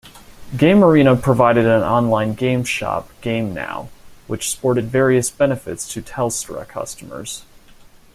GameArena provided an online game shop GameNow, which sported various benefits to Telstra customers.